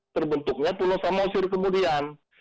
terbentuknya pulau samosir kemudian